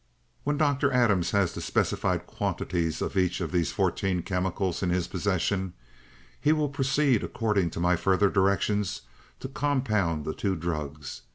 "'When Dr. Adams has the specified quantities of each of these fourteen chemicals in his possession, he will proceed according to my further directions to compound the two drugs.